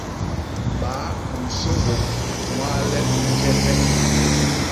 Baa u nsôgôp ñwaa le u jek e?